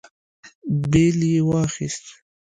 بېل يې واخيست.